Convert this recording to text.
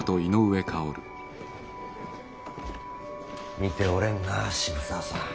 見ておれんなぁ渋沢さん。